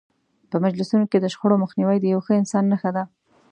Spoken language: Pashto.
په مجلسونو کې د شخړو مخنیوی د یو ښه انسان نښه ده.